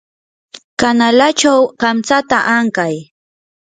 kanalachaw kamtsata ankay.